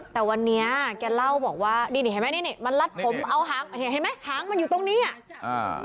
แต่วันนี้แกเล่าบอกว่านี่นี่เห็นไหมนี่นี่มันลัดผมเอาหางเนี่ยเห็นไหมหางมันอยู่ตรงนี้อ่ะอ่า